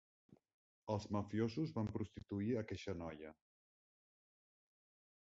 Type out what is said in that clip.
Els mafiosos van prostituir aqueixa noia.